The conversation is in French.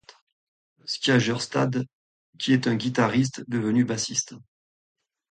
Skjærstad qui est un guitariste devenu bassiste.